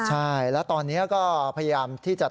ใช่แล้วตอนนี้ก็พยายามที่จะ